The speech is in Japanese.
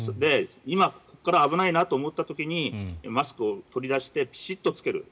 今、ここから危ないなと思った時にマスクを取り出してピシッと着ける。